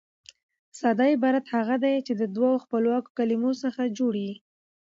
ساده عبارت هغه دئ، چي د دوو خپلواکو کلیمو څخه جوړ يي.